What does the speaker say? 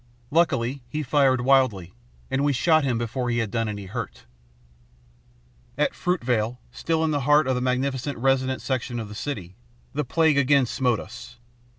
Luckily, he fired wildly, and we shot him before he had done any hurt. "At Fruitvale, still in the heart of the magnificent residence section of the city, the plague again smote us.